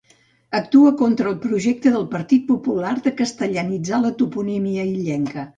Actua contra el projecte del Partit Popular de castellanitzar la toponímia illenca.